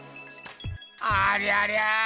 ありゃりゃ！